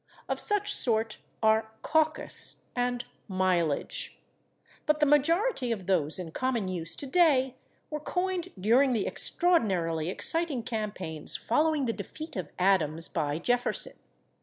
Of such sort are /caucus/ and /mileage/. But the majority of those in common use today were coined during the extraordinarily exciting campaigns following the defeat of Adams by Jefferson.